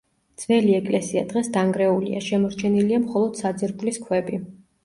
ძველი ეკლესია დღეს დანგრეულია, შემორჩენილია მხოლოდ საძირკვლის ქვები.